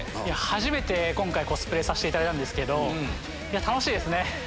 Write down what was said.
初めてコスプレさせていただいたんですけど楽しいですね。